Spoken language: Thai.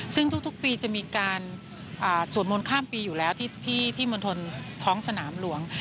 ซึ่งทุกปีจะมีการสวดมนต์ข้ามปีอยู่แล้วที่มณฑลท้องสนามหลวง